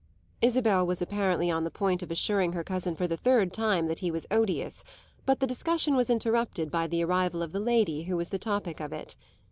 Isabel was apparently on the point of assuring her cousin for the third time that he was odious; but the discussion was interrupted by the arrival of the lady who was the topic of it.